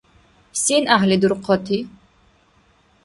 Сен гӀяхӀли дурхъати?